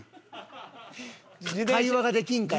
会話ができんから。